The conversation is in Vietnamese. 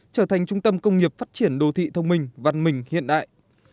trở thành trung tâm công nghiệp phát triển đô thị thông minh văn minh hiện đại